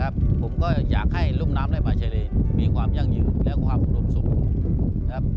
ผมก็อยากให้รุ่มน้ำและป่าชายเลนมีความยั่งยืนและความอุดมสุขนะครับ